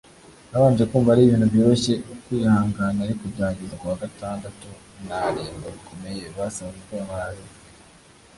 nabanje kumva ari ibintu byoroshye nkihangana ariko byageze kuwa Gatandatu naremba bikomeye […] basanze ndwaye malariya